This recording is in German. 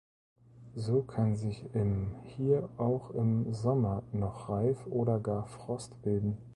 So kann sich im hier auch im Sommer noch Reif oder gar Frost bilden.